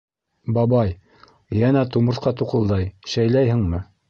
— Бабай, йәнә тумыртҡа туҡылдай, шәйләйһеңме?